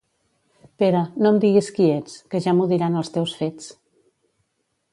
Pere, no em diguis qui ets, que ja m'ho diran els teus fets.